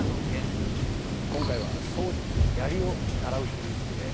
今回は槍術槍を習うということで。